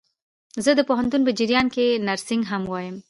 زه د پوهنتون په جریان کښي نرسينګ هم وايم.